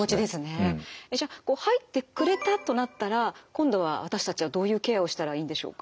じゃあ入ってくれたとなったら今度は私たちはどういうケアをしたらいいんでしょうか？